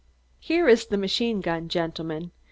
"Here is the machine gun, gentlemen.